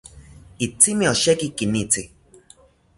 Itzimi osheki kinitzi